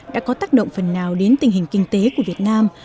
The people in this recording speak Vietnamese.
đã có tác động phần nào đến tình hình kinh tế của việt nam